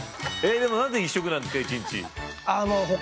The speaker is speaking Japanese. でも何で１食なんですか？